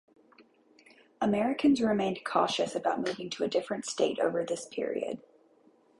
Americans remained cautious about moving to a different state over this period.